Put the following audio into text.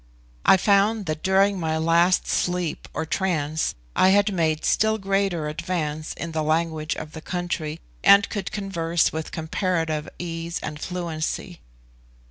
I found that during my last sleep or trance I had made still greater advance in the language of the country, and could converse with comparative ease and fluency.